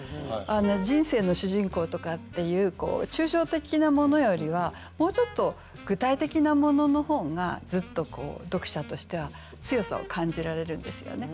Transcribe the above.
人生の主人公とかっていう抽象的なものよりはもうちょっと具体的なものの方がずっとこう読者としては強さを感じられるんですよね。